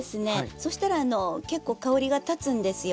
そしたら結構香りがたつんですよ。